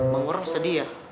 bang orang sedih ya